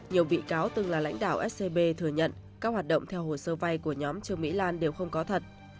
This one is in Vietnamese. nhiều bị cáo từng là lãnh đạo scb thừa nhận các hoạt động theo hồ sơ vay của nhóm trương mỹ lan đều không có thật